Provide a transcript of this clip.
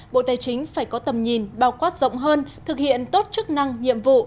bộ tài chính phải có tầm nhìn bao quát rộng hơn thực hiện tốt chức năng nhiệm vụ